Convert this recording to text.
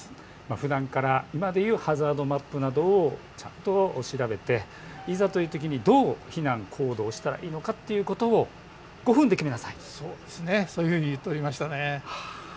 ふだんから今でいうハザードマップなどをちゃんと調べて、いざというときにどう避難、行動したらいいのかということを５分で決めなさい、そういうふうに言っていましたね。